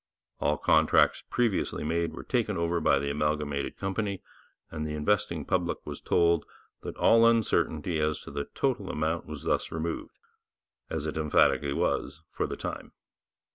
All contracts previously made were taken over by the amalgamated company, and the investing public was told that all uncertainty as to the total amount was thus removed as it emphatically was, for the time.